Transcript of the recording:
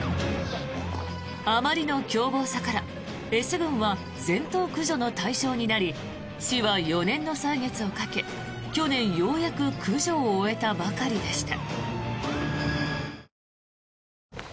あまりの凶暴さからＳ群は全頭駆除の対象になり市は４年の歳月をかけ去年、ようやく駆除を終えたばかりでした。